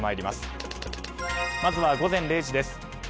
まずは午前０時です。